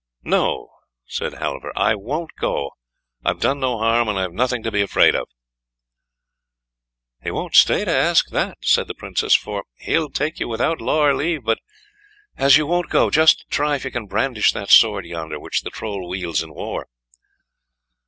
"No," said Halvor, "I won't go, I've done no harm, and I've nothing to be afraid about." "He won't stay to ask that," said the Princess, "for he'll take you without law or leave; but as you won't go, just try if you can brandish that sword yonder, which the Troll wields in war."